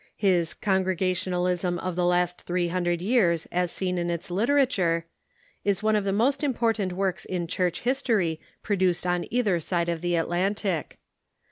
His " Con gregationalism of the Last Three Hundred Years as Seen in its Literature " is one of the most important works in Church history produced on either side of the Atlantic.